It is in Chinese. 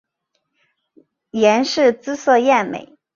阎氏姿色艳美。